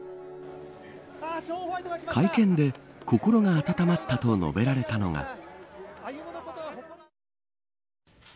会見で、心が温まったと述べられたのが。